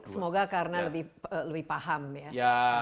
semoga karena lebih paham ya